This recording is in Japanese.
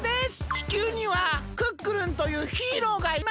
地球にはクックルンというヒーローがいます。